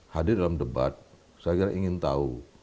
hadir dalam debat saya kira ingin tahu